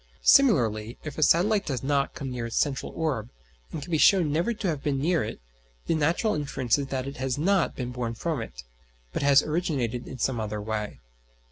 Similarly, if a satellite does not come near its central orb, and can be shown never to have been near it, the natural inference is that it has not been born from it, but has originated in some other way.